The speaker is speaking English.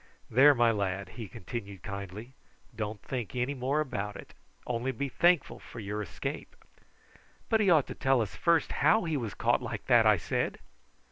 There, my lad," he continued kindly, "don't think any more about it, only to be thankful for your escape." "But he ought to tell us first how he was caught like that," I said.